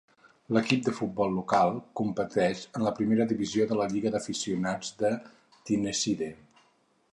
L'equip de futbol local competeix en la primera divisió de la lliga d'aficionats de Tyneside.